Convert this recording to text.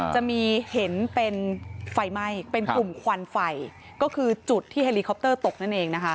จะมีเห็นเป็นไฟไหม้เป็นกลุ่มควันไฟก็คือจุดที่เฮลิคอปเตอร์ตกนั่นเองนะคะ